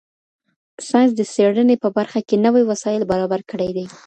ساینس د څېړنې په برخه کي نوي وسایل برابر کړي دي.